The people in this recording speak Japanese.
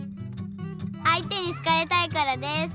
あいてに好かれたいからです。